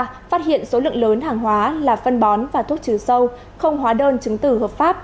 phát hiện số lượng lớn hàng hóa là phân bón và thuốc trừ sâu không hóa đơn chứng tử hợp pháp